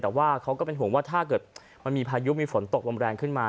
แต่ว่าเขาก็เป็นห่วงว่าถ้าเกิดมันมีพายุมีฝนตกลมแรงขึ้นมา